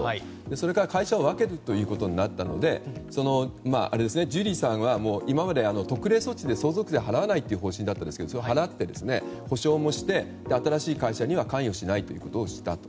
それから会社を分けるということになったのでジュリーさんは今まで特例措置で相続税を払わないという方針だったんですがそれを払って補償もして新しい会社には関与しないということをしたと。